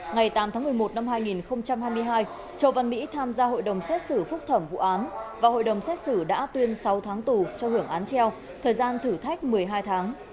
ngày tám tháng một mươi một năm hai nghìn hai mươi hai châu văn mỹ tham gia hội đồng xét xử phúc thẩm vụ án và hội đồng xét xử đã tuyên sáu tháng tù cho hưởng án treo thời gian thử thách một mươi hai tháng